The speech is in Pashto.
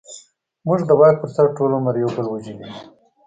موږ د واک پر سر ټول عمر يو بل وژلې دي.